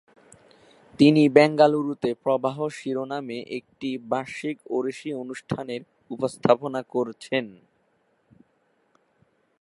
তিনি বেঙ্গালুরুতে 'প্রবাহ' শিরোনামে একটি বার্ষিক ওড়িশি অনুষ্ঠানের উপস্থাপনা করছেন।